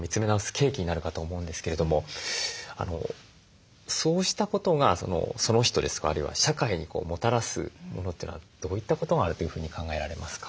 契機になるかと思うんですけれどもそうしたことがその人ですとかあるいは社会にもたらすものというのはどういったことがあるというふうに考えられますか？